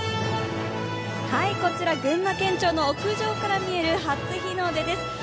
こちら群馬県庁の屋上から見える初日の出です。